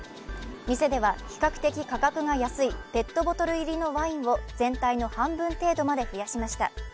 店では比較的価格が安いペットボトル入りのワインを全体の半分程度まで増やしました。